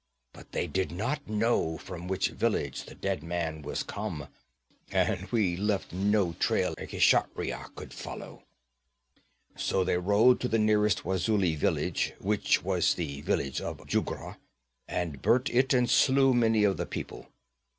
But they did not know from which village the dead man was come, and we had left no trail a Kshatriya could follow. 'So they rode to the nearest Wazuli village, which was the village of Jugra, and burnt it and slew many of the people.